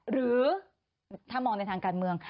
หรือถ้ามองในทางการเมือง